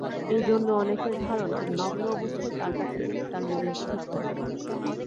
এইজন্য অনেকের ধারণা নগ্ন অবস্থায় তাঁর কাছে গেলে তাঁর মেজাজ ঠিক থাকে।